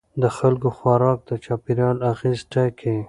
د خلکو خوراک د چاپیریال اغېز ټاکي.